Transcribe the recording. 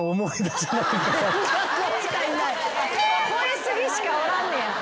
超え過ぎしかおらんねや。